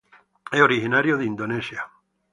Es originario de Indonesia.